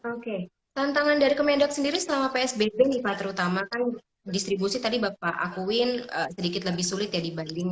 oke tantangan dari kemendok sendiri selama psbb nih pak terutama kan distribusi tadi bapak akuin sedikit lebih sulit ya dibanding